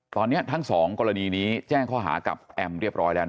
ตอนนี้ทั้งสองกรณีนี้แจ้งข้อหากับแอมเรียบร้อยแล้ว